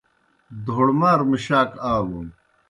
دھوڑ مار مُشاک آلُن۔